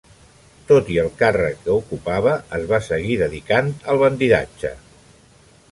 Tot i el càrrec que ocupava es va seguir dedicant al bandidatge.